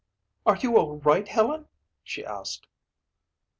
"Are you all right, Helen?" she asked.